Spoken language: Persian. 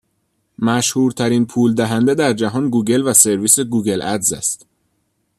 مشهورترین پول دهنده در جهان گوگل و سرویس گوگل ادز است.